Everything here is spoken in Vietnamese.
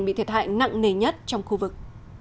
bị thiệt hại nặng nề nhất trong khu vực